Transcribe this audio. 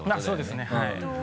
そうですねはい。